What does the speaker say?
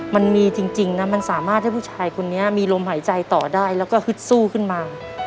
มันมีจริงนะมันสามารถให้ผู้ชายคนนี้มีลมหายใจต่อได้แล้วก็ฮึดสู้ขึ้นมา